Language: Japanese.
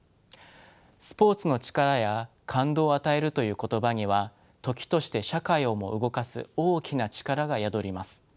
「スポーツの力」や「感動を与える」という言葉には時として社会をも動かす大きな力が宿ります。